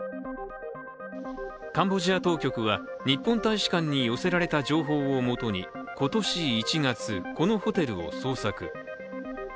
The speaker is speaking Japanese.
カンボジア当局は日本大使館に寄せられた情報を元に今年１月、このホテルを捜索。